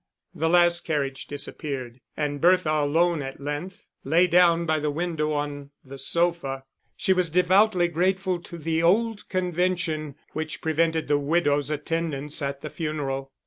The last carriage disappeared, and Bertha, alone at length, lay down by the window on the sofa. She was devoutly grateful to the old convention which prevented the widow's attendance at the funeral.